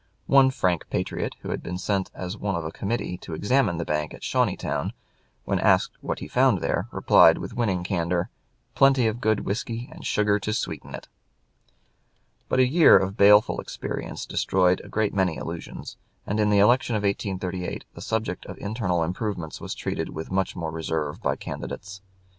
One frank patriot, who had been sent as one of a committee to examine the bank at Shawneetown, when asked what he found there, replied with winning candor, "Plenty of good whisky and sugar to sweeten it." [Sidenote: Ford, "History," p. 197.] But a year of baleful experience destroyed a great many illusions, and in the election of 1838 the subject of internal improvements was treated with much more reserve by candidates.